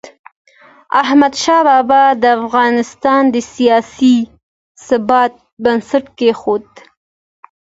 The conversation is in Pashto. احمدشاه بابا د افغانستان د سیاسي ثبات بنسټ کېښود.